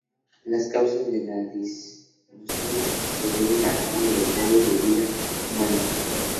Las causas de la disminución se deben al cambio del modo de vida humano.